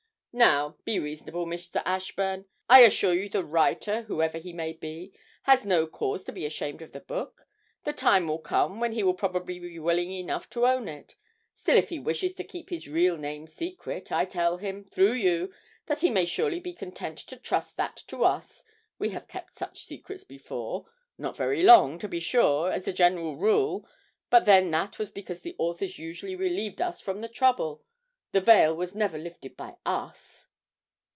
Now, be reasonable, Mr. Ashburn. I assure you the writer, whoever he may be, has no cause to be ashamed of the book the time will come when he will probably be willing enough to own it. Still, if he wishes to keep his real name secret, I tell him, through you, that he may surely be content to trust that to us. We have kept such secrets before not very long, to be sure, as a general rule; but then that was because the authors usually relieved us from the trouble the veil was never lifted by us.'